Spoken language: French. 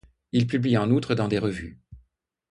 Il publie en outre dans des revues.